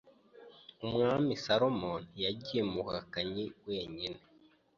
Umwami Salomo ntiyagiye mu buhakanyi wenyine.